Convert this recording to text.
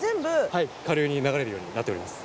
はい下流に流れるようになっております。